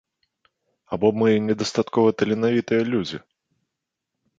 Або мы недастаткова таленавітыя людзі?